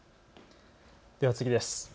では次です。